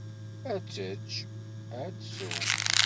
Ad tečč, ad tsew.